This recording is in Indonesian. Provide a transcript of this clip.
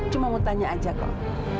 cuma mau tanya aja kok